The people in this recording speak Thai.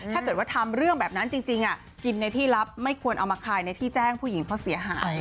ถ้าเกิดว่าทำเรื่องแบบนั้นจริงกินในที่ลับไม่ควรเอามาขายในที่แจ้งผู้หญิงเขาเสียหาย